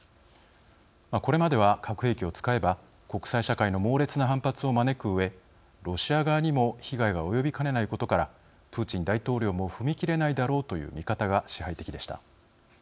これまでは核兵器を使えば国際社会の猛烈な反発を招くうえロシア側にも被害が及びかねないことからプーチン大統領も踏み切れないだろうという見方が支配的でした。